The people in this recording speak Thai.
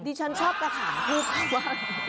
ฉันชอบกระถางทูบมาก